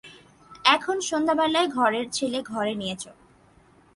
এখন সন্ধ্যাবেলায় ঘরের ছেলে ঘরে নিয়ে চলো।